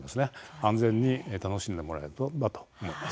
安全に楽しんでもらえればと思います。